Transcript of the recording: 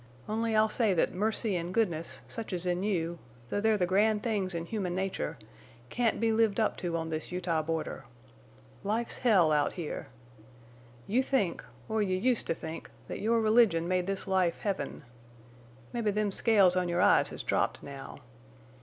Only, I'll say that mercy an' goodness, such as is in you, though they're the grand things in human nature, can't be lived up to on this Utah border. Life's hell out here. You think—or you used to think—that your religion made this life heaven. Mebbe them scales on your eyes has dropped now.